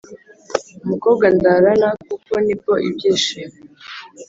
Umukobwa ndarana kuko nibwo ibyishimo